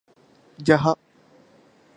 Jaha.